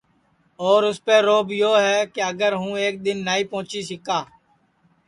اور اُسپے روب یو ہے کہ اگر ہوں ایک دؔن نائی پونچی سِکا